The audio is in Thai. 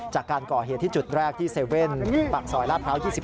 จากการก่อเหตุที่จุดแรกที่๗๑๑ปากซอยลาดพร้าว๒๑